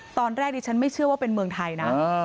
ตอนแรกดิฉันไม่เชื่อว่าเป็นเมืองไทยนะ